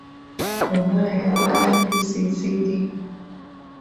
Omuwala yaddugala ng'enziiziiri.